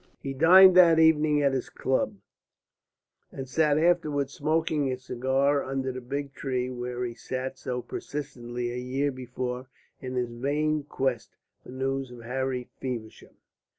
He dined that evening at his club, and sat afterwards smoking his cigar under the big tree where he had sat so persistently a year before in his vain quest for news of Harry Feversham.